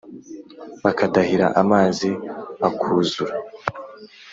bakadáhira amazi akúzura